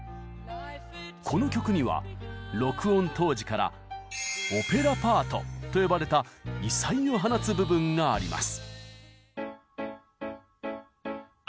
この曲には録音当時から「オペラパート」と呼ばれた異彩を放つ部分があります。